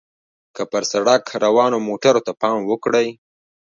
که پر سړک روانو موټرو ته پام وکړئ.